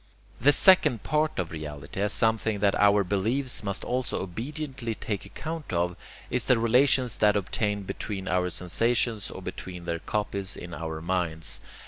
The SECOND part of reality, as something that our beliefs must also obediently take account of, is the RELATIONS that obtain between our sensations or between their copies in our minds.